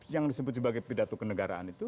yang disebut sebagai pidato kenegaraan itu